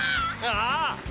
ああ！